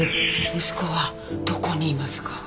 息子はどこにいますか？